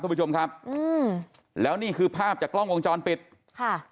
คุณผู้ชมครับอืมแล้วนี่คือภาพจากกล้องวงจรปิดค่ะ